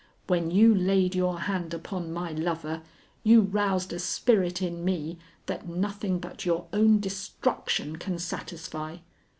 When you laid your hand upon my lover, you roused a spirit in me that nothing but your own destruction can satisfy.